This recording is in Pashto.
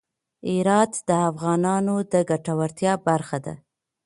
هرات د افغانانو د ګټورتیا برخه ده.